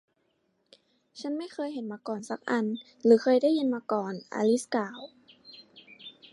ฉันไม่เคยเห็นมาก่อนสักอันหรือเคยได้ยินมาก่อน อลิซกล่าว